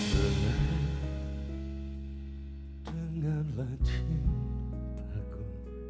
lintang putih maukah kamu menikah denganku